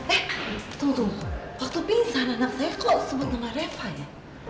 eh tunggu tunggu waktu pingsan anak saya kok sebut nama reva ya